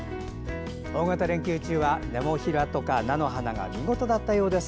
大型連休中はネモフィラとか菜の花が見事だったようです。